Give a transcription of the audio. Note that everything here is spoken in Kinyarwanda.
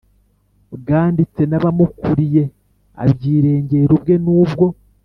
Bwanditse n abamukuriye abyirengera ubwe nubwo